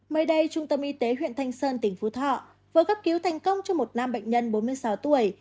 mới đây trung tâm y tế huyện thanh sơn tỉnh phú thọ vừa cấp cứu thành công cho một nam bệnh nhân bốn mươi sáu tuổi